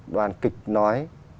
đoàn kịch nói